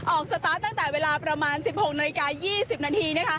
สตาร์ทตั้งแต่เวลาประมาณ๑๖นาฬิกา๒๐นาที